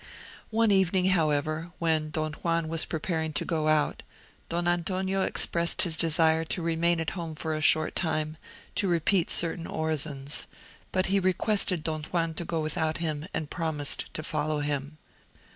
One evening, however, when Don Juan was preparing to go out, Don Antonio expressed his desire to remain at home for a short time, to repeat certain orisons: but he requested Don Juan to go without him, and promised to follow him.